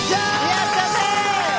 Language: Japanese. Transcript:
やったぜ！